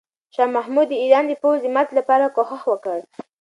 شاه محمود د ایران د پوځ د ماتې لپاره کوښښ وکړ.